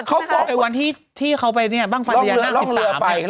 รู้ป่ะว่าเขาบอกวันที่เขาไปเนี่ยบ้างฟัญญานาคติศาสตร์